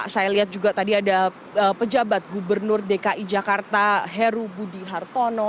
saya lihat juga tadi ada pejabat gubernur dki jakarta heru budi hartono